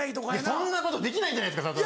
そんなことできないじゃないですか。